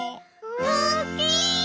おっきい！